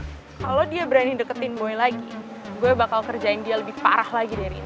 kalau dia berani deketin boy lagi gue bakal kerjain dia lebih parah lagi dari ini